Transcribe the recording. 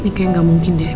ini kayak gak mungkin deh